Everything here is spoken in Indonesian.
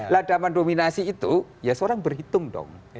nah daman dominasi itu ya seorang berhitung dong